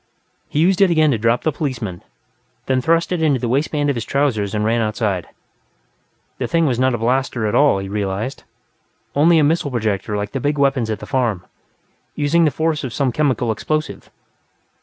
He used it again to drop the policeman, then thrust it into the waistband of his trousers and ran outside. The thing was not a blaster at all, he realized only a missile projector like the big weapons at the farm, utilizing the force of some chemical explosive.